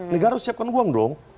negara harus siapkan uang dong